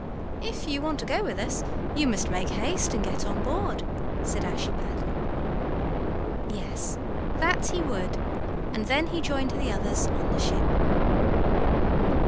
"If you want to go with us you must make haste and get on board," said Ashiepattle. Yes, that he would, and then he joined the others on the ship.